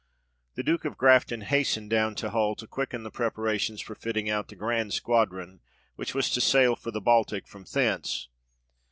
The Duke of Grafton hasted down to Hull, to quicken the preparations for fitting out the grand squadron, which was to sail for the Baltic from thence.